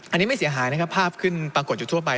อันนี้ไม่เสียหายนะครับภาพขึ้นปรากฏอยู่ทั่วไป